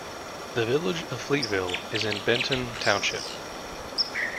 The village of Fleetville is in Benton Township.